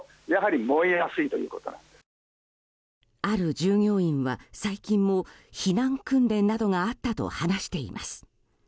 ある従業員は最近も避難訓練などがあったと話しています。